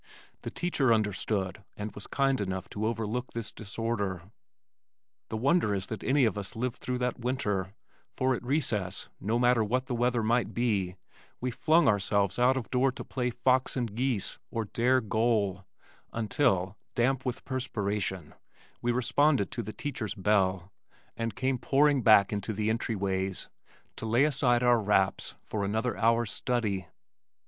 The teacher understood and was kind enough to overlook this disorder. The wonder is that any of us lived through that winter, for at recess, no matter what the weather might be we flung ourselves out of doors to play "fox and geese" or "dare goal," until, damp with perspiration, we responded to the teacher's bell, and came pouring back into the entry ways to lay aside our wraps for another hour's study.